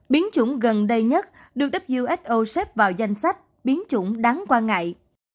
biến chủng gần đây nhất được wso xếp vào danh sách biến chủng đáng quan ngại